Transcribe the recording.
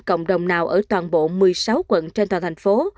cộng đồng nào ở toàn bộ một mươi sáu quận trên toàn thành phố